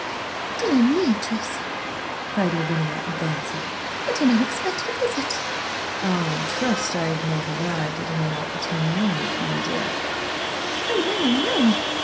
"Dear me, Tracy!" cried Lavinia, advancing. "What an unexpected visit!" "I trust I have not arrived at an inopportune moment, my dear?" "Oh, no!"